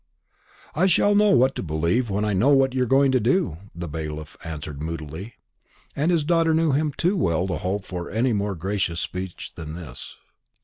"I shall know what to believe when I know what you're going to do," the bailiff answered moodily; and his daughter knew him too well to hope for any more gracious speech than this.